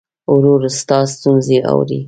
ورور ستا ستونزې اوري.